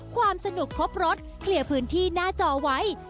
ความสนุกครบรถเคลียร์พื้นที่หน้าจอไว้